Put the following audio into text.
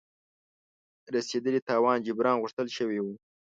رسېدلي تاوان جبران غوښتل شوی وو.